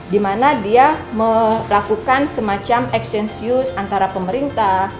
di mana dia melakukan semacam exchange views antara pemerintah